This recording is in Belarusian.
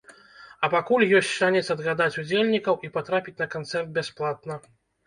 А пакуль ёсць шанец адгадаць удзельнікаў і патрапіць на канцэрт бясплатна.